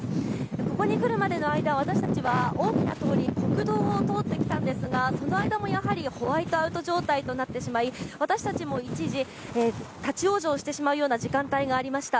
ここに来るまでの間、私たちは大きな通り、国道を通ってきたんですが、その間もやはりホワイトアウト状態となってしまい、私たちも一時、立往生してしまうような時間帯がありました。